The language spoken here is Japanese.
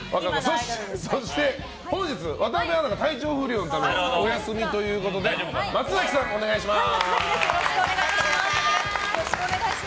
そして、本日渡邊アナが体調不良でお休みということで松崎さん、お願いします。